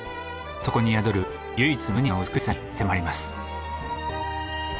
そこに宿る唯一無二の美しさに迫ります。